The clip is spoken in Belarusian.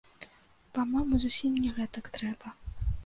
Па-мойму зусім не гэтак трэба.